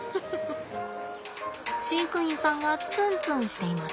飼育員さんがツンツンしています。